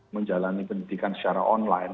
menjalani pendidikan secara online